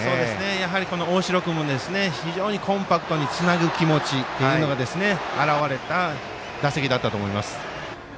やはり大城君も非常にコンパクトにつなぐ気持ちというのが表れた打席だったと思います。